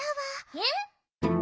えっ？